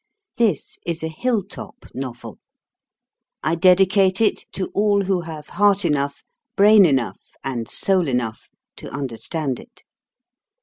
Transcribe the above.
This is a Hill top Novel. I dedicate it to all who have heart enough, brain enough, and soul enough to understand it.